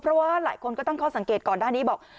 เพราะว่าหลายคนก็ต้องสังเกตก่อนหน้านี้